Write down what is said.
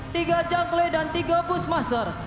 tiga jungkle dan tiga busmaster